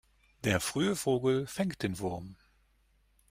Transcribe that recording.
Der frühe Vogel fängt den Wurm.